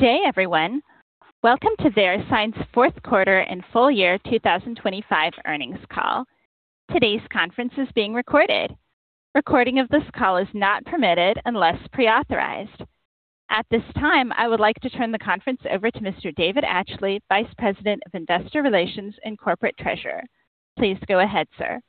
Good day, everyone. Welcome to Verisign's fourth quarter and full-year 2025 earnings call. Today's conference is being recorded. Recording of this call is not permitted unless pre-authorized. At this time, I would like to turn the conference over to Mr. David Atchley, Vice President of Investor Relations and Corporate Treasurer. Please go ahead, sir.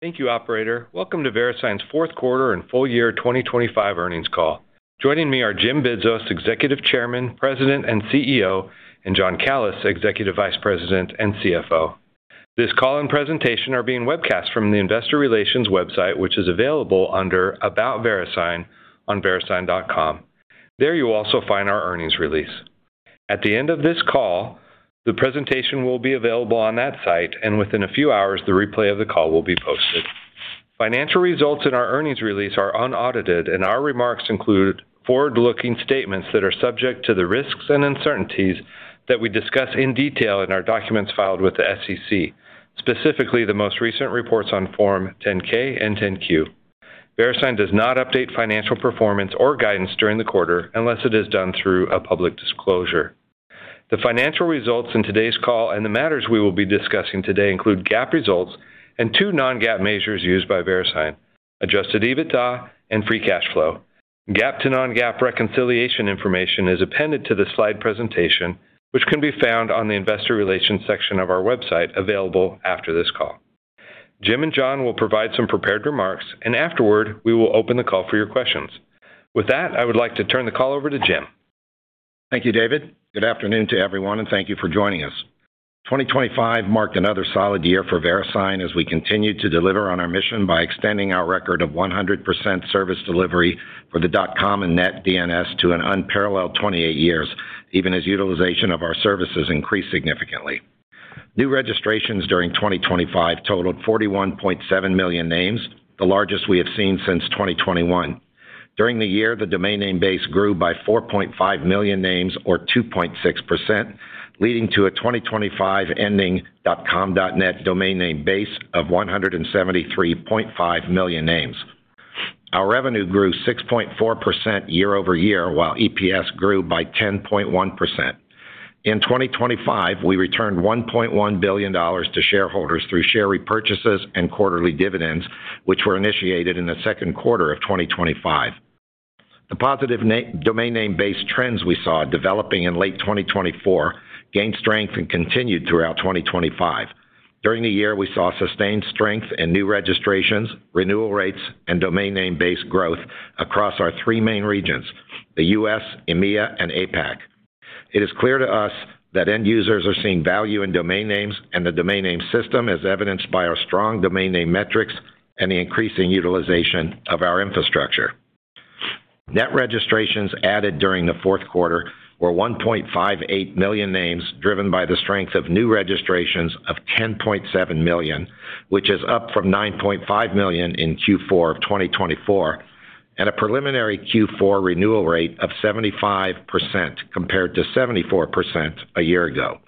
Thank you, Operator. Welcome to Verisign's fourth quarter and full-year 2025 earnings call. Joining me are Jim Bidzos, Executive Chairman, President, and CEO, and John Calys, Executive Vice President and CFO. This call and presentation are being webcast from the Investor Relations website, which is available under About Verisign on Verisign.com. There you'll also find our earnings release. At the end of this call, the presentation will be available on that site, and within a few hours, the replay of the call will be posted. Financial results in our earnings release are unaudited, and our remarks include forward-looking statements that are subject to the risks and uncertainties that we discuss in detail in our documents filed with the SEC, specifically the most recent reports on Form 10-K and 10-Q. Verisign does not update financial performance or guidance during the quarter unless it is done through a public disclosure. The financial results in today's call and the matters we will be discussing today include GAAP results and two non-GAAP measures used by Verisign, Adjusted EBITDA and free cash flow. GAAP to non-GAAP reconciliation information is appended to the slide presentation, which can be found on the Investor Relations section of our website, available after this call. Jim and John will provide some prepared remarks, and afterward, we will open the call for your questions. With that, I would like to turn the call over to Jim. Thank you, David. Good afternoon to everyone, and thank you for joining us. 2025 marked another solid year for Verisign as we continued to deliver on our mission by extending our record of 100% service delivery for the .com and .net DNS to an unparalleled 28 years, even as utilization of our services increased significantly. New registrations during 2025 totaled 41.7 million names, the largest we have seen since 2021. During the year, the domain name base grew by 4.5 million names or 2.6%, leading to a 2025 ending .com, .net domain name base of 173.5 million names. Our revenue grew 6.4% year-over-year, while EPS grew by 10.1%. In 2025, we returned $1.1 billion to shareholders through share repurchases and quarterly dividends, which were initiated in the second quarter of 2025. The positive domain name base trends we saw developing in late 2024 gained strength and continued throughout 2025. During the year, we saw sustained strength in new registrations, renewal rates, and domain name base growth across our three main regions, the U.S., EMEA, and APAC. It is clear to us that end users are seeing value in domain names and the domain name system, as evidenced by our strong domain name metrics and the increasing utilization of our infrastructure. Net registrations added during the fourth quarter were 1.58 million names, driven by the strength of new registrations of 10.7 million, which is up from 9.5 million in Q4 of 2024, and a preliminary Q4 renewal rate of 75%, compared to 74% a year ago.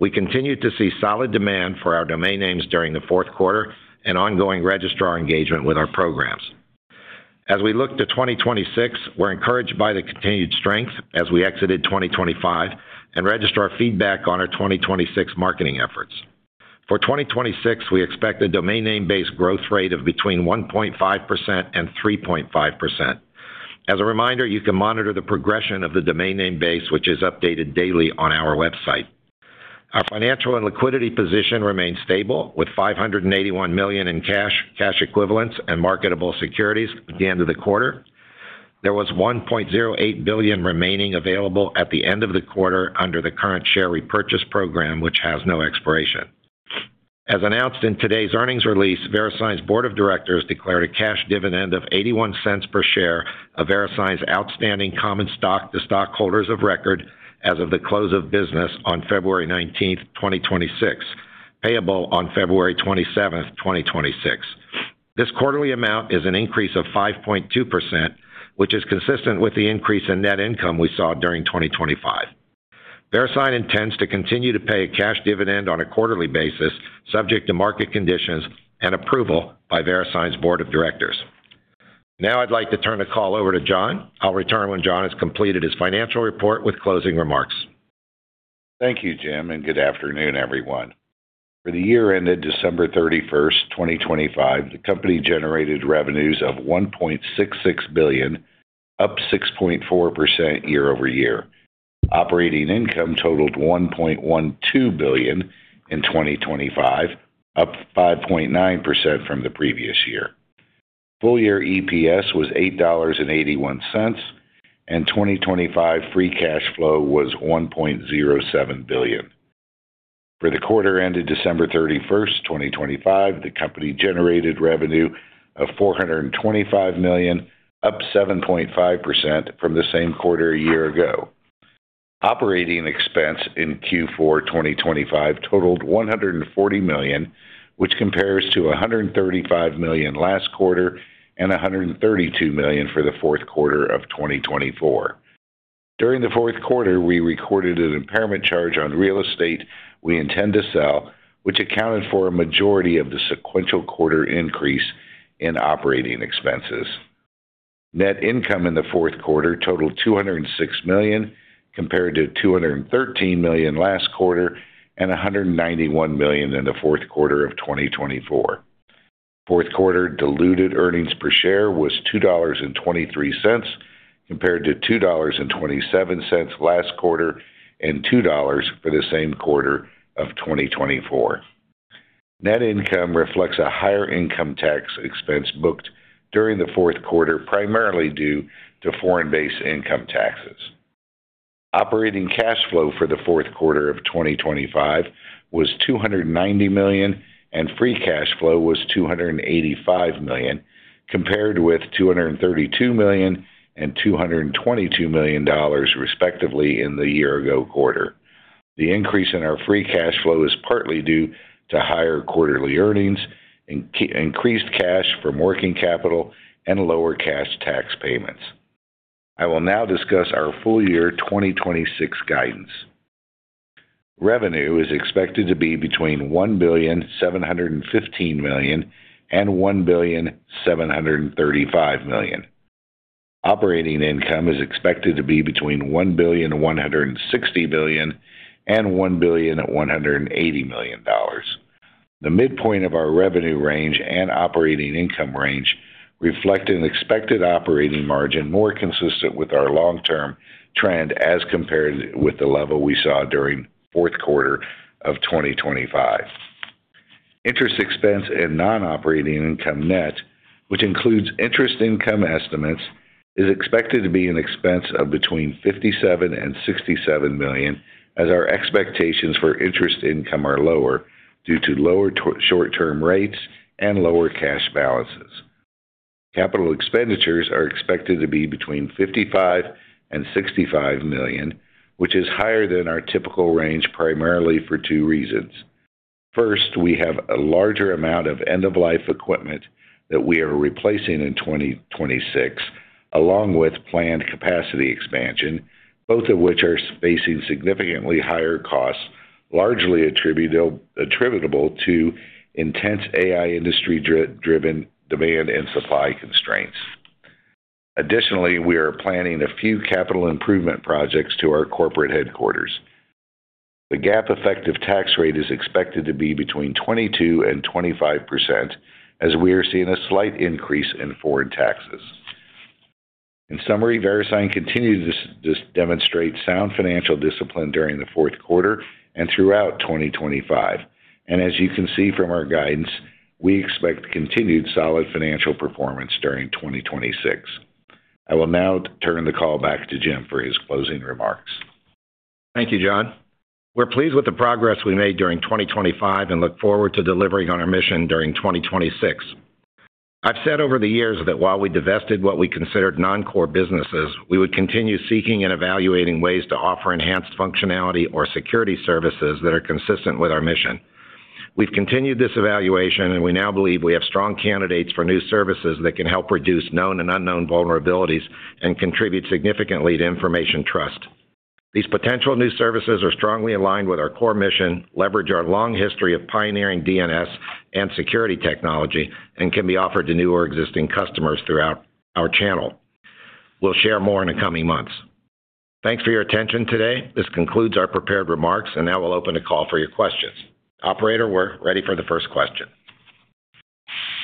We continued to see solid demand for our domain names during the fourth quarter and ongoing registrar engagement with our programs. As we look to 2026, we're encouraged by the continued strength as we exited 2025 and registrar feedback on our 2026 marketing efforts. For 2026, we expect a domain name base growth rate of between 1.5% and 3.5%. As a reminder, you can monitor the progression of the domain name base, which is updated daily on our website. Our financial and liquidity position remains stable, with $581 million in cash, cash equivalents, and marketable securities at the end of the quarter. There was $1.08 billion remaining available at the end of the quarter under the current share repurchase program, which has no expiration. As announced in today's earnings release, Verisign's Board of Directors declared a cash dividend of $0.81 per share of Verisign's outstanding common stock to stockholders of record as of the close of business on February 19, 2026, payable on February 27, 2026. This quarterly amount is an increase of 5.2%, which is consistent with the increase in net income we saw during 2025. Verisign intends to continue to pay a cash dividend on a quarterly basis, subject to market conditions and approval by Verisign's Board of Directors. Now I'd like to turn the call over to John. I'll return when John has completed his financial report with closing remarks. Thank you, Jim, and good afternoon, everyone. For the year ended December 31, 2025, the company generated revenues of $1.66 billion, up 6.4% year-over-year. Operating income totaled $1.12 billion in 2025, up 5.9% from the previous year. full-year EPS was $8.81, and 2025 free cash flow was $1.07 billion. For the quarter ended December 31, 2025, the company generated revenue of $425 million, up 7.5% from the same quarter a year ago. Operating expense in Q4 2025 totaled $140 million, which compares to $135 million last quarter and $132 million for the fourth quarter of 2024. During the fourth quarter, we recorded an impairment charge on real estate we intend to sell, which accounted for a majority of the sequential quarter increase.... in operating expenses. Net income in the fourth quarter totaled $206 million, compared to $213 million last quarter and $191 million in the fourth quarter of 2024. Fourth quarter diluted earnings per share was $2.23, compared to $2.27 last quarter and $2 for the same quarter of 2024. Net income reflects a higher income tax expense booked during the fourth quarter, primarily due to foreign-based income taxes. Operating cash flow for the fourth quarter of 2025 was $290 million, and free cash flow was $285 million, compared with $232 million and $222 million dollars, respectively, in the year-ago quarter. The increase in our free cash flow is partly due to higher quarterly earnings, increased cash from working capital, and lower cash tax payments. I will now discuss our full-year 2026 guidance. Revenue is expected to be between $1.715 billion and $1.735 billion. Operating income is expected to be between $1.16 billion and $1.18 billion. The midpoint of our revenue range and operating income range reflect an expected operating margin more consistent with our long-term trend as compared with the level we saw during fourth quarter of 2025. Interest expense and non-operating income net, which includes interest income estimates, is expected to be an expense of between $57 million and $67 million, as our expectations for interest income are lower due to lower short-term rates and lower cash balances. Capital expenditures are expected to be between $55 million and $65 million, which is higher than our typical range, primarily for two reasons. First, we have a larger amount of end-of-life equipment that we are replacing in 2026, along with planned capacity expansion, both of which are facing significantly higher costs, largely attributable to intense AI industry driven demand and supply constraints. Additionally, we are planning a few capital improvement projects to our corporate headquarters. The GAAP effective tax rate is expected to be between 22% and 25%, as we are seeing a slight increase in foreign taxes. In summary, Verisign continues to demonstrate sound financial discipline during the fourth quarter and throughout 2025, and as you can see from our guidance, we expect continued solid financial performance during 2026. I will now turn the call back to Jim for his closing remarks. Thank you, John. We're pleased with the progress we made during 2025 and look forward to delivering on our mission during 2026. I've said over the years that while we divested what we considered non-core businesses, we would continue seeking and evaluating ways to offer enhanced functionality or security services that are consistent with our mission. We've continued this evaluation, and we now believe we have strong candidates for new services that can help reduce known and unknown vulnerabilities and contribute significantly to information trust. These potential new services are strongly aligned with our core mission, leverage our long history of pioneering DNS and security technology, and can be offered to new or existing customers throughout our channel. We'll share more in the coming months. Thanks for your attention today. This concludes our prepared remarks, and now we'll open the call for your questions. Operator, we're ready for the first question.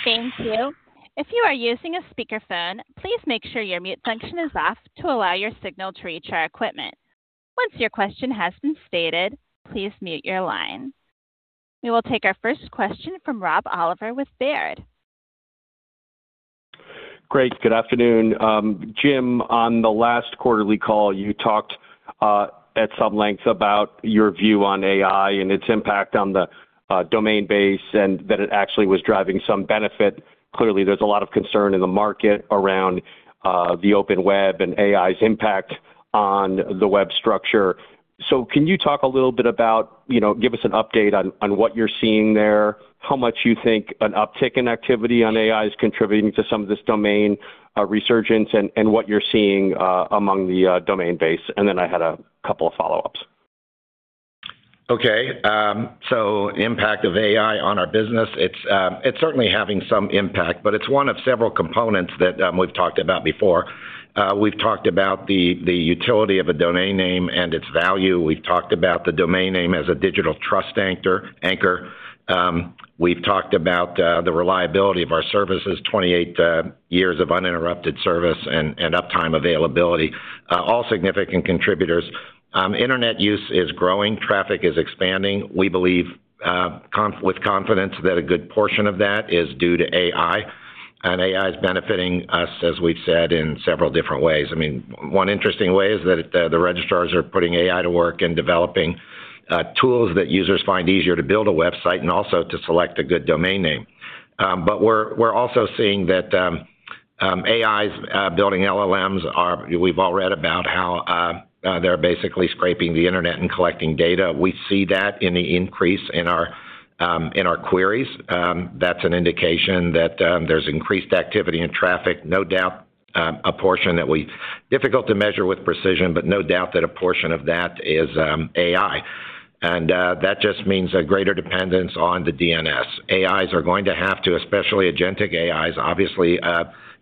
Thank you. If you are using a speakerphone, please make sure your mute function is off to allow your signal to reach our equipment. Once your question has been stated, please mute your line. We will take our first question from Rob Oliver with Baird. Great. Good afternoon, Jim, on the last quarterly call, you talked at some length about your view on AI and its impact on the domain base, and that it actually was driving some benefit. Clearly, there's a lot of concern in the market around the open web and AI's impact on the web structure. So can you talk a little bit about, you know, give us an update on what you're seeing there, how much you think an uptick in activity on AI is contributing to some of this domain resurgence, and what you're seeing among the domain base? And then I had a couple of follow-ups. Okay, so impact of AI on our business, it's certainly having some impact, but it's one of several components that we've talked about before. We've talked about the utility of a domain name and its value. We've talked about the domain name as a digital trust anchor. We've talked about the reliability of our services, 28 years of uninterrupted service and uptime availability, all significant contributors. Internet use is growing, traffic is expanding. We believe with confidence that a good portion of that is due to AI, and AI is benefiting us, as we've said, in several different ways. I mean, one interesting way is that the registrars are putting AI to work and developing tools that users find easier to build a website and also to select a good domain name. But we're also seeing that AIs building LLMs are. We've all read about how they're basically scraping the internet and collecting data. We see that in the increase in our queries. That's an indication that there's increased activity and traffic. No doubt, a portion that we difficult to measure with precision, but no doubt that a portion of that is AI. And that just means a greater dependence on the DNS. AIs are going to have to, especially agentic AIs, obviously,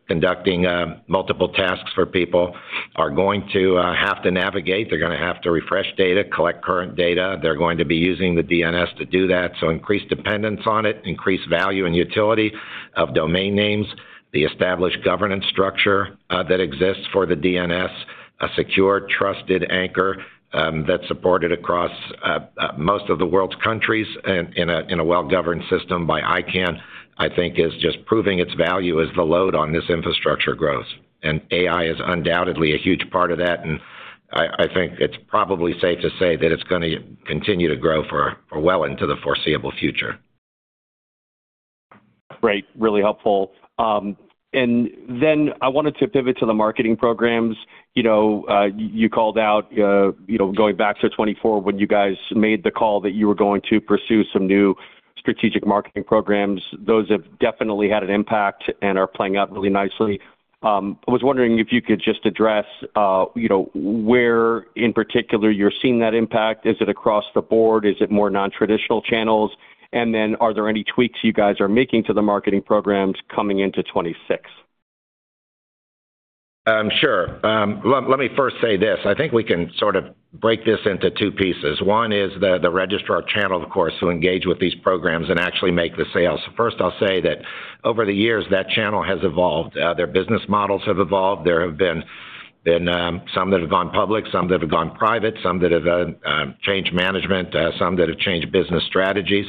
conducting multiple tasks for people, are going to have to navigate. They're gonna have to refresh data, collect current data. They're going to be using the DNS to do that. So increased dependence on it, increased value and utility of domain names, the established governance structure that exists for the DNS, a secure, trusted anchor that's supported across most of the world's countries and in a well-governed system by ICANN, I think is just proving its value as the load on this infrastructure grows. And AI is undoubtedly a huge part of that, and I think it's probably safe to say that it's gonna continue to grow for well into the foreseeable future. Great, really helpful. And then I wanted to pivot to the marketing programs. You know, you called out, you know, going back to 2024, when you guys made the call that you were going to pursue some new strategic marketing programs. Those have definitely had an impact and are playing out really nicely. I was wondering if you could just address, you know, where in particular you're seeing that impact. Is it across the board? Is it more nontraditional channels? And then, are there any tweaks you guys are making to the marketing programs coming into 2026? Sure. Let me first say this. I think we can sort of break this into two pieces. One is the registrar channel, of course, who engage with these programs and actually make the sales. First, I'll say that over the years, that channel has evolved. Their business models have evolved. There have been some that have gone public, some that have gone private, some that have changed management, some that have changed business strategies.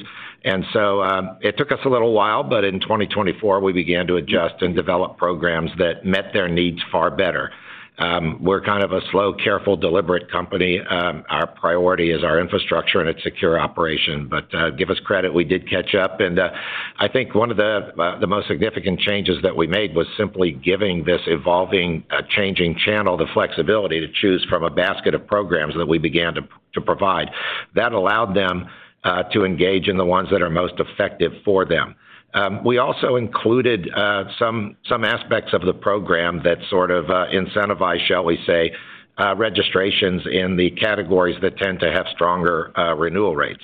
And so, it took us a little while, but in 2024, we began to adjust and develop programs that met their needs far better. We're kind of a slow, careful, deliberate company. Our priority is our infrastructure and its secure operation. But give us credit, we did catch up. I think one of the most significant changes that we made was simply giving this evolving, changing channel the flexibility to choose from a basket of programs that we began to provide. That allowed them to engage in the ones that are most effective for them. We also included some aspects of the program that sort of incentivize, shall we say, registrations in the categories that tend to have stronger renewal rates.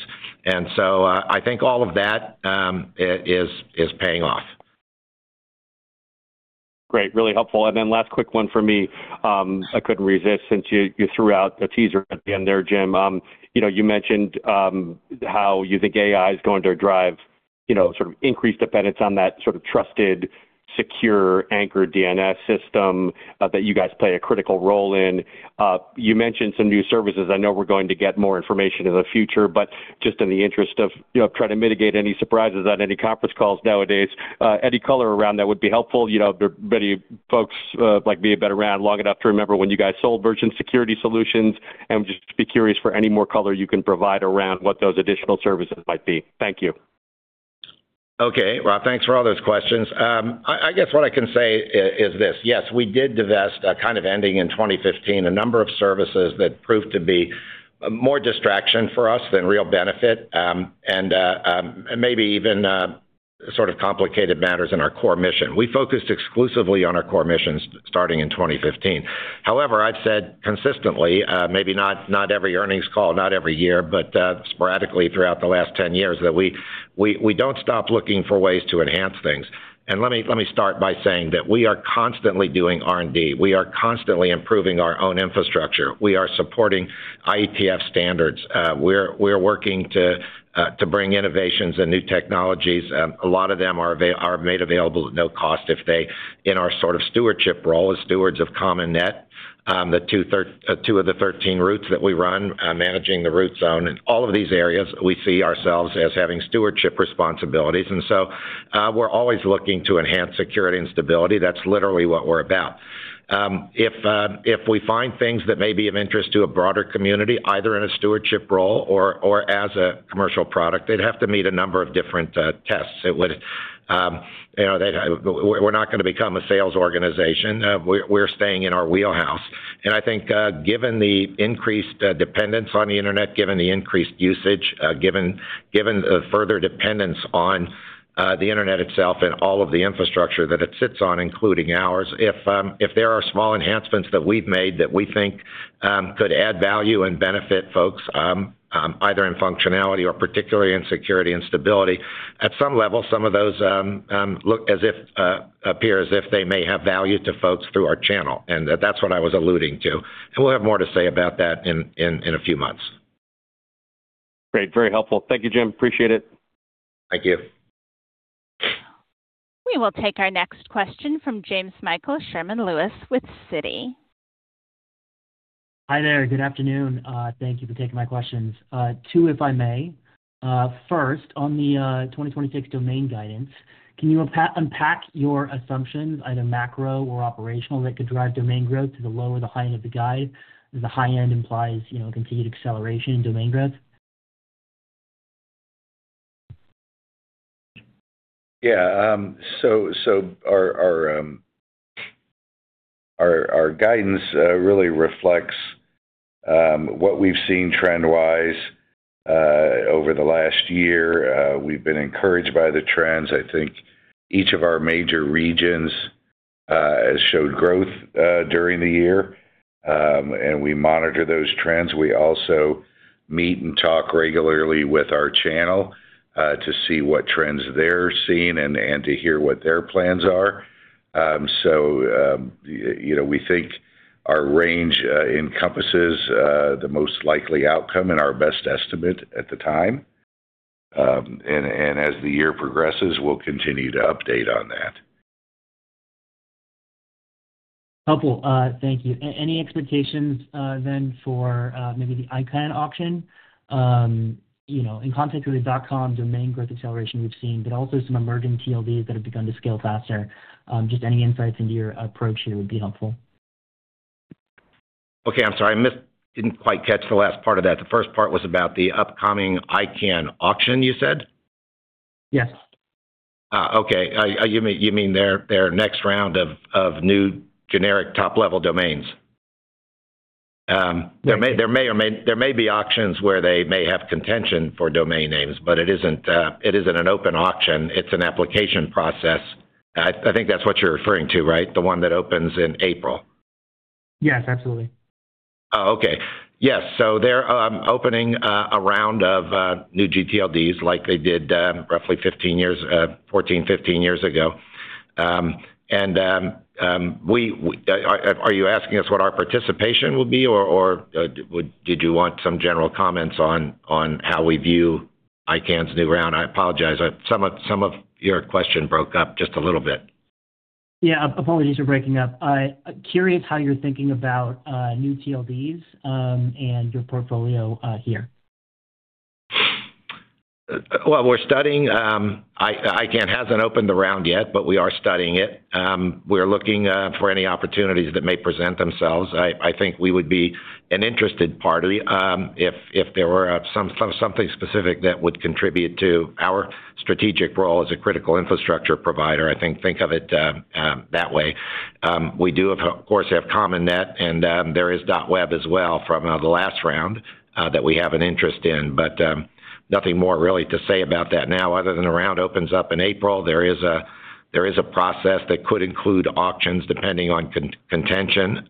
So, I think all of that is paying off. Great, really helpful. And then last quick one for me. I couldn't resist since you, you threw out a teaser at the end there, Jim. You know, you mentioned how you think AI is going to drive, you know, sort of increased dependence on that sort of trusted, secure, anchored DNS system that you guys play a critical role in. You mentioned some new services. I know we're going to get more information in the future, but just in the interest of, you know, trying to mitigate any surprises on any conference calls nowadays, any color around that would be helpful. You know, many folks, like me, have been around long enough to remember when you guys sold Verisign Security, and just be curious for any more color you can provide around what those additional services might be. Thank you. Okay, Rob, thanks for all those questions. I guess what I can say is this: Yes, we did divest, kind of ending in 2015, a number of services that proved to be more distraction for us than real benefit, and maybe even sort of complicated matters in our core mission. We focused exclusively on our core missions starting in 2015. However, I've said consistently, maybe not every earnings call, not every year, but sporadically throughout the last 10 years, that we don't stop looking for ways to enhance things. And let me start by saying that we are constantly doing R&D. We are constantly improving our own infrastructure. We are supporting IETF standards. We're working to bring innovations and new technologies. A lot of them are made available at no cost if they, in our sort of stewardship role as stewards of .com and .net, the two of the 13 roots that we run, managing the root zone. All of these areas, we see ourselves as having stewardship responsibilities, and so, we're always looking to enhance security and stability. That's literally what we're about. If we find things that may be of interest to a broader community, either in a stewardship role or as a commercial product, they'd have to meet a number of different tests. It would, you know, they'd have. We're not going to become a sales organization. We're staying in our wheelhouse. I think, given the increased dependence on the internet, given the increased usage, given the further dependence on the internet itself and all of the infrastructure that it sits on, including ours, if there are small enhancements that we've made that we think could add value and benefit folks, either in functionality or particularly in security and stability, at some level, some of those appear as if they may have value to folks through our channel, and that's what I was alluding to. We'll have more to say about that in a few months. Great, very helpful. Thank you, Jim. Appreciate it. Thank you. We will take our next question from Jamesmichael Sherman-Lewis with Citi. Hi there. Good afternoon. Thank you for taking my questions. Two, if I may. First, on the 2026 domain guidance, can you unpack your assumptions, either macro or operational, that could drive domain growth to the low or the high end of the guide? The high end implies, you know, continued acceleration in domain growth. Yeah, so our guidance really reflects what we've seen trend-wise. ...Over the last year, we've been encouraged by the trends. I think each of our major regions has showed growth during the year. And we monitor those trends. We also meet and talk regularly with our channel to see what trends they're seeing and to hear what their plans are. So, you know, we think our range encompasses the most likely outcome and our best estimate at the time. As the year progresses, we'll continue to update on that. Helpful. Thank you. Any expectations, then for maybe the ICANN auction? You know, in context of the .com domain growth acceleration we've seen, but also some emerging TLDs that have begun to scale faster. Just any insights into your approach here would be helpful. Okay, I'm sorry. I missed, didn't quite catch the last part of that. The first part was about the upcoming ICANN auction, you said? Yes. Okay. You mean their next round of new generic top-level domains? There may or may be auctions where they may have contention for domain names, but it isn't an open auction, it's an application process. I think that's what you're referring to, right? The one that opens in April. Yes, absolutely. Oh, okay. Yes. So they're opening a round of new gTLDs, like they did roughly 15 years, 14, 15 years ago. And we... Are you asking us what our participation will be, or would - did you want some general comments on how we view ICANN's new round? I apologize. Some of your question broke up just a little bit. Yeah. Apologies for breaking up. I'm curious how you're thinking about new TLDs and your portfolio here. Well, we're studying, ICANN hasn't opened the round yet, but we are studying it. We're looking for any opportunities that may present themselves. I think we would be an interested party, if there were something specific that would contribute to our strategic role as a critical infrastructure provider. I think of it that way. We do, of course, have .com .net and there is .web as well from the last round that we have an interest in. But, nothing more really to say about that now, other than the round opens up in April. There is a process that could include auctions, depending on contention,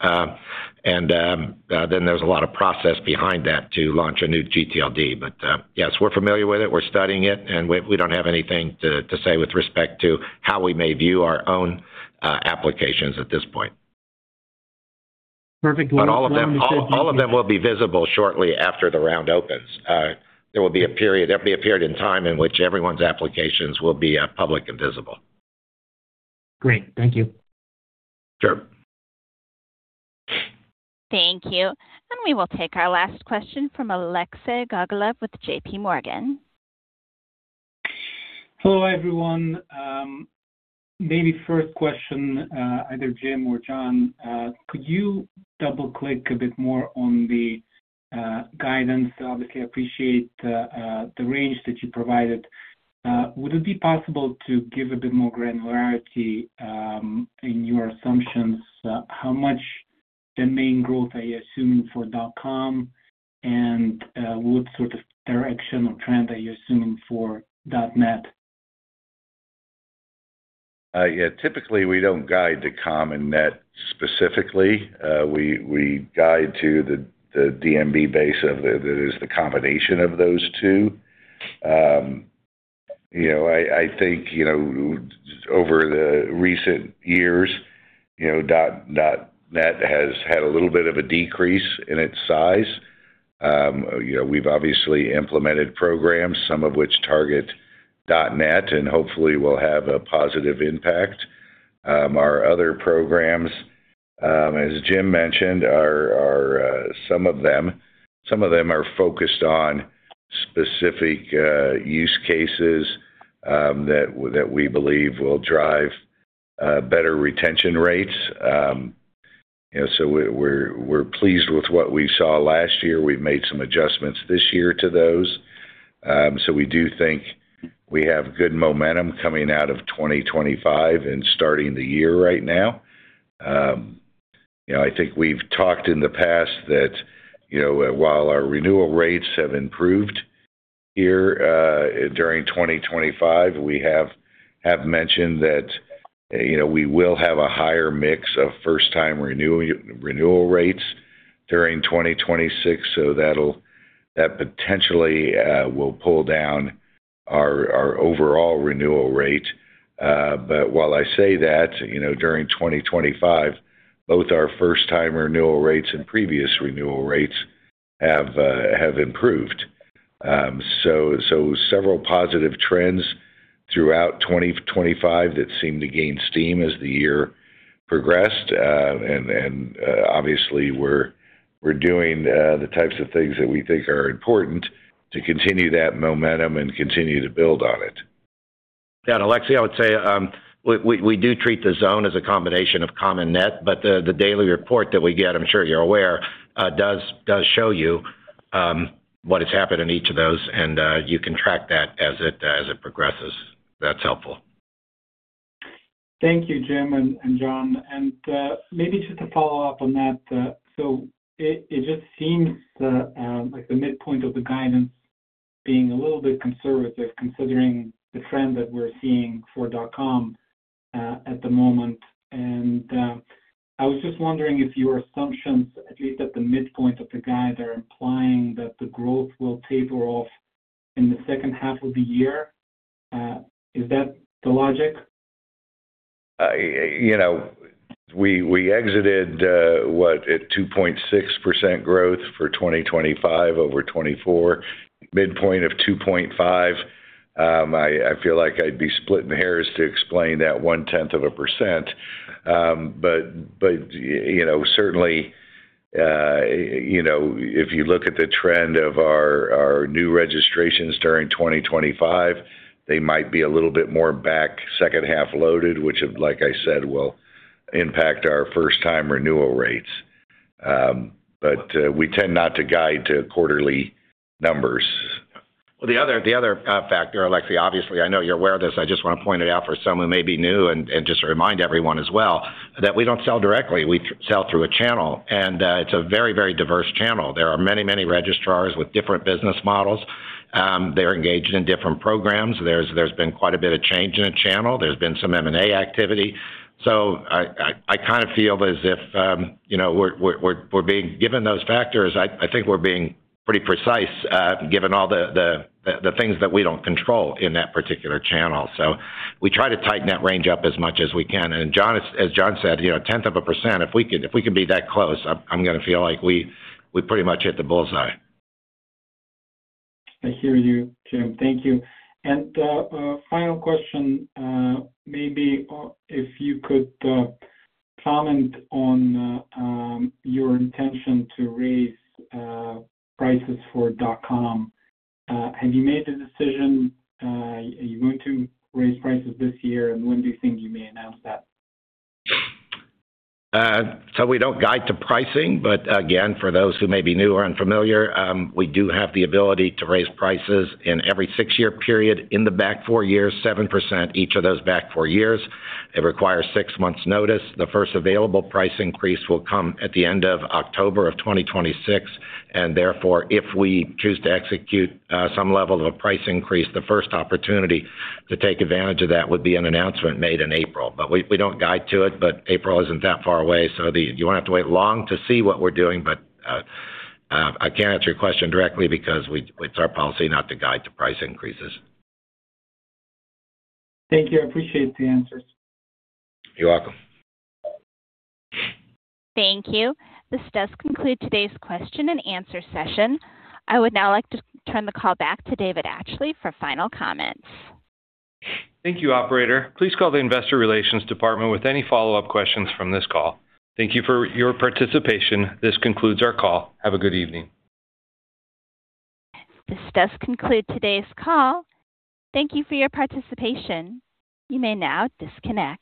and then there's a lot of process behind that to launch a new gTLD. But, yes, we're familiar with it, we're studying it, and we don't have anything to say with respect to how we may view our own applications at this point. Perfect. But all of them, all, all of them will be visible shortly after the round opens. There will be a period, there'll be a period in time in which everyone's applications will be public and visible. Great. Thank you. Sure. Thank you. We will take our last question from Alexei Gogolev with JPMorgan. Hello, everyone. Maybe first question, either Jim or John, could you double-click a bit more on the guidance? Obviously, I appreciate the range that you provided. Would it be possible to give a bit more granularity in your assumptions, how much domain growth are you assuming for .com? And, what sort of direction or trend are you assuming for .net? Yeah, typically, we don't guide to .com and .net specifically. We guide to the domain base, that is the combination of those two. You know, I think, you know, over recent years, you know, .com, .net has had a little bit of a decrease in its size. You know, we've obviously implemented programs, some of which target .net and hopefully will have a positive impact. Our other programs, as Jim mentioned, are some of them, some of them are focused on specific use cases that we believe will drive better retention rates. You know, so we're pleased with what we saw last year. We've made some adjustments this year to those. So we do think we have good momentum coming out of 2025 and starting the year right now. You know, I think we've talked in the past that, you know, while our renewal rates have improved here, during 2025, we have mentioned that, you know, we will have a higher mix of first-time renewal rates during 2026, so that'll potentially will pull down our overall renewal rate. But while I say that, you know, during 2025, both our first-time renewal rates and previous renewal rates have improved. So several positive trends throughout 2025 that seemed to gain steam as the year progressed, and obviously, we're doing the types of things that we think are important to continue that momentum and continue to build on it. Yeah, and Alexei, I would say, we do treat the zone as a combination of .com and .net, but the daily report that we get, I'm sure you're aware, does show you what has happened in each of those, and you can track that as it progresses. That's helpful.... Thank you, Jim and John. And maybe just to follow-up on that, so it just seems like the midpoint of the guidance being a little bit conservative, considering the trend that we're seeing for .com at the moment. And I was just wondering if your assumptions, at least at the midpoint of the guide, are implying that the growth will taper off in the second half of the year. Is that the logic? You know, we exited at 2.6% growth for 2025 over 2024, midpoint of 2.5. I feel like I'd be splitting hairs to explain that 0.1%. But you know, certainly, you know, if you look at the trend of our new registrations during 2025, they might be a little bit more back second half loaded, which, like I said, will impact our first time renewal rates. But we tend not to guide to quarterly numbers. Well, the other factor, Alexei, obviously. I know you're aware of this. I just want to point it out for some who may be new and just to remind everyone as well, that we don't sell directly. We sell through a channel, and it's a very, very diverse channel. There are many, many registrars with different business models. They're engaged in different programs. There's been quite a bit of change in the channel. There's been some M&A activity. So I kind of feel as if, you know, we're being given those factors. I think we're being pretty precise, given all the things that we don't control in that particular channel. So we try to tighten that range up as much as we can. John, as John said, you know, 0.1%, if we could, if we could be that close, I'm, I'm gonna feel like we, we pretty much hit the bullseye. I hear you, Jim. Thank you. Final question, maybe if you could comment on your intention to raise prices for .com. Have you made the decision? Are you going to raise prices this year, and when do you think you may announce that? So we don't guide to pricing, but again, for those who may be new or unfamiliar, we do have the ability to raise prices in every six-year period in the back four years, 7%, each of those back four years. It requires six months notice. The first available price increase will come at the end of October of 2026, and therefore, if we choose to execute, some level of a price increase, the first opportunity to take advantage of that would be an announcement made in April. But we don't guide to it, but April isn't that far away, so you won't have to wait long to see what we're doing. But, I can't answer your question directly because it's our policy not to guide to price increases. Thank you. I appreciate the answers. You're welcome. Thank you. This does conclude today's question and answer session. I would now like to turn the call back to David Atchley for final comments. Thank you, Operator. Please call the Investor Relations department with any follow-up questions from this call. Thank you for your participation. This concludes our call. Have a good evening. This does conclude today's call. Thank you for your participation. You may now disconnect.